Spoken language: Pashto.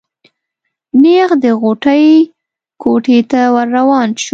نېغ د غوټۍ کوټې ته ور روان شو.